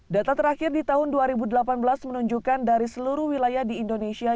data terakhir di tahun dua ribu delapan belas menunjukkan dari seluruh wilayah di indonesia